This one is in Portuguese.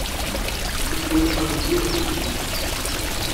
O Cristiano passa o dia no Facebook